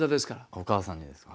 お母さんですか。